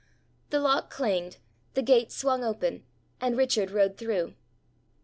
The lock clanged, the gate swung open, and Richard rode through.